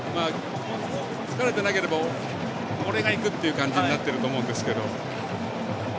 疲れてなければ俺がいく！っていう感じになっていると思うんですが。